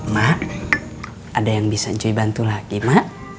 mak ada yang bisa jadi bantu lagi mak